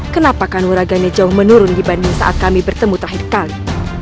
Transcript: kenapa kanuraganya jauh menurun dibanding saat kami bertemu terakhir kali